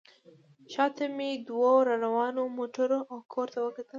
شا ته مې دوو راروانو موټرو او کور ته وکتل.